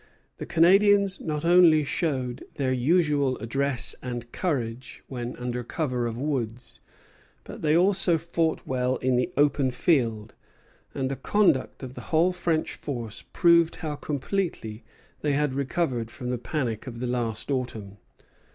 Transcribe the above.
The Canadians not only showed their usual address and courage when under cover of woods, but they also fought well in the open field; and the conduct of the whole French force proved how completely they had recovered from the panic of the last autumn.